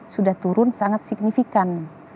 sudah turun sangat signifikan